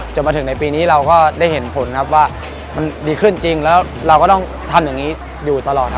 จนมาถึงในปีนี้เราก็ได้เห็นผลครับว่ามันดีขึ้นจริงแล้วเราก็ต้องทำอย่างนี้อยู่ตลอดครับ